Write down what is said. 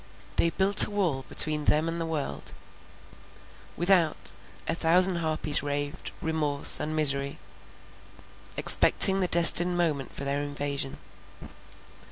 "They built a wall between them and the world"—Without, a thousand harpies raved, remorse and misery, expecting the destined moment for their invasion.